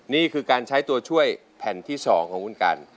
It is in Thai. นี่คือการใช้ตัวช่วยแผ่นที่๒ของคุณกัน